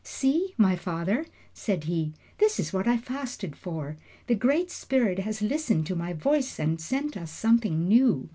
"See, my father," said he, "this is what I fasted for. The Great Spirit has listened to my voice and sent us something new.